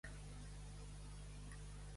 Qui deu i no paga no fa res de més.